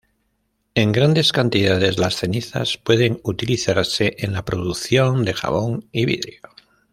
En grandes cantidades, las cenizas pueden utilizarse en la producción de jabón y vidrio.